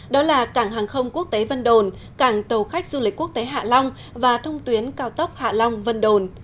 đó là cảng hàng không quốc tế vân đồn cảng tàu khách du lịch quốc tế hạ long và thông tuyến cao tốc hạ long vân đồn